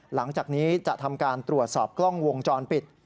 หลังจากนี้จะทำการตรวจสอบกล้องวงจรปิด